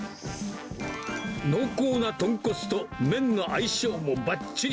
濃厚な豚骨と麺の相性もばっちり。